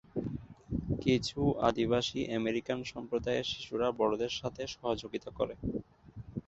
কিছু আদিবাসী আমেরিকান সম্প্রদায়ের শিশুরা বড়দের সাথে সহযোগিতা করে।